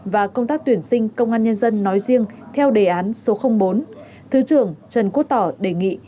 và công tác tuyển sinh công an nhân dân nói riêng theo đề án số bốn thứ trưởng trần quốc tỏ đề nghị